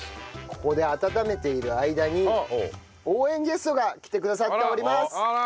ここで温めている間に応援ゲストが来てくださっております！